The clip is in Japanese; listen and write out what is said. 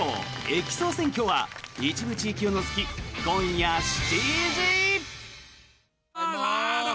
駅総選挙」は一部地域を除き、今夜７時。